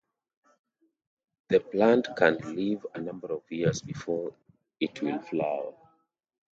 The plant can live a number of years before it will flower.